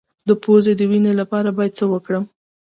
د پوزې د وینې لپاره باید څه وکړم؟